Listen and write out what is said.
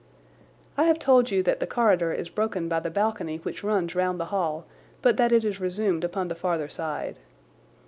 I have told you that the corridor is broken by the balcony which runs round the hall, but that it is resumed upon the farther side.